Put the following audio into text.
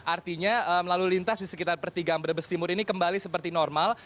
artinya melalui lintas di sekitar pertigaan brebes timur ini kembali seperti normal